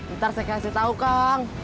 ntar saya kasih tau kang